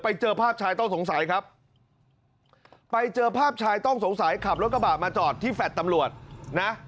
ไปเจอภาพชายต้องสงสัยครับไปเจอภาพชายต้องสงสัยขับรถกระบะมาจอดที่แฟลต์ตำรวจนะ